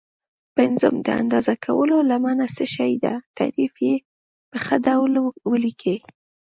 پنځم: د اندازه کولو لمنه څه شي ده؟ تعریف یې په ښه ډول ولیکئ.